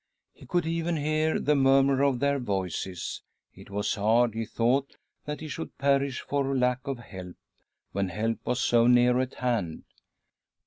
He could even hear the murmur of their voices! It was hard, he thought, that he should perish for lack of help, when help was so near at hand.